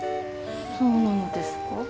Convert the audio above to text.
そうなのですか？